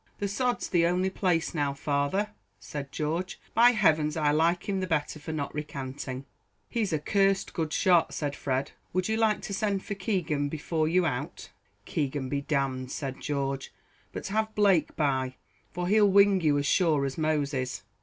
"The sod's the only place now, father," said George; "by heavens I like him the better for not recanting." "He's a cursed good shot," said Fred. "Would you like to send for Keegan before you go out?" "Keegan be d d!" said George; "but have Blake by, for he'll wing you as sure as Moses."